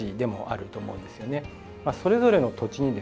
それぞれの土地にですね